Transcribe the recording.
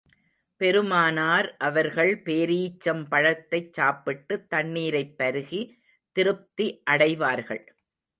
பெருமானார் அவர்கள் பேரீச்சம்பழத்தைச் சாப்பிட்டு, தண்ணீரைப் பருகி, திருப்தி அடைவார்கள்.